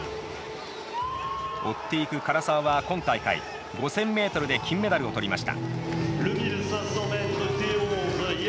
追っていく唐澤は今大会、５０００ｍで金メダルを取りました。